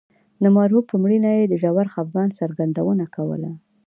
د مرحوم په مړینه یې د ژور خفګان څرګندونه کوله.